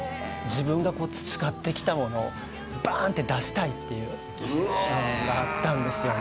自分が培ってきたものをバン！って出したいっていうのがあったんですよね。